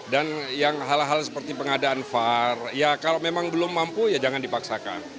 dan yang hal hal seperti pengadaan var ya kalau memang belum mampu ya jangan dipaksakan